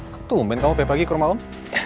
ketumbain kamu beli pagi ke rumah om